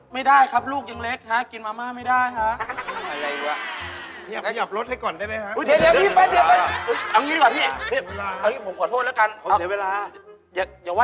ไม่ได้ครับลูกยังเล็กฮะกินมาม่าไม่ได้ฮะ